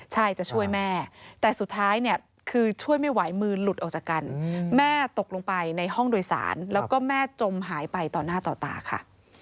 ใช่จะช่วยแม่แต่สุดท้ายเนี่ยคือช่วยไม่ไหวมือหลุดออกจากกันแม่ตกลงไปในห้องโดยสารแล้วก็แม่จมหายไปต่อหน้าต่อตาค่ะ